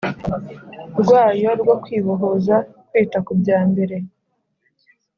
rwayo rwo kwibohoza Kwita ku bya mbere